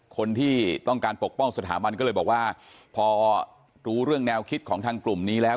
คนที่ต้องการปกป้องสถาบันก็เลยบอกว่าพอรู้เรื่องแนวคิดของทางกลุ่มนี้แล้ว